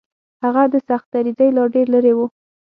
هغه د سختدریځۍ لا ډېر لرې و.